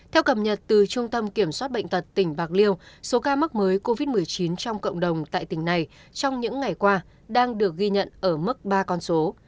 theo cập nhật từ trung tâm kiểm soát bệnh tật tỉnh bạc liêu số ca mắc mới covid một mươi chín trong cộng đồng tại tỉnh này trong những ngày qua đang được ghi nhận ở mức ba con số